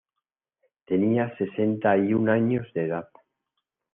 Tenía sesenta y un años de edad.